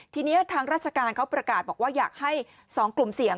ทีนี้ทางราชการเขาประกาศบอกว่าอยากให้๒กลุ่มเสี่ยง